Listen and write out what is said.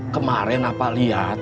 kemarin apa liat